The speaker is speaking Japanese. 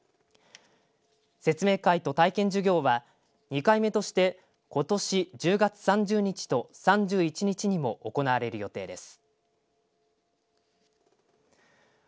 説明会と体験授業は２回目としてことし１０月３０日と３１日にも行われる予定です。